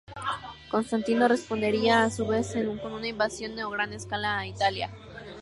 Constantino, respondería a su vez con una invasión a gran escala a Italia.